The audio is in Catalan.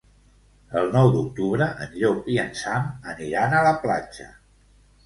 El nou d'octubre en Llop i en Sam aniran a la platja.